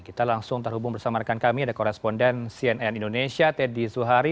kita langsung terhubung bersama rekan kami ada koresponden cnn indonesia teddy zuhari